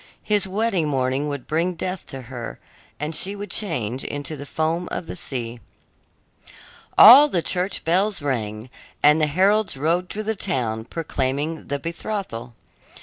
His wedding morning would bring death to her, and she would change into the foam of the sea. All the church bells rang, and the heralds rode through the town proclaiming the betrothal.